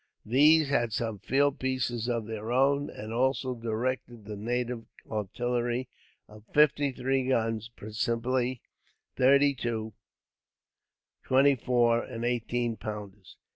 These had some field pieces of their own, and also directed the native artillery, of fifty three guns; principally thirty two, twenty four, and eighteen pounders.